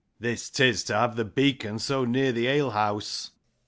This 'tis, to have the beacon so near the ale house.